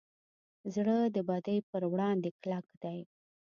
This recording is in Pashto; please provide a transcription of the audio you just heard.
زړه د بدۍ پر وړاندې کلک دی.